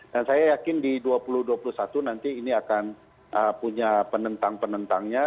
dan saya yakin di dua ribu dua puluh satu nanti ini akan punya penentang penentangnya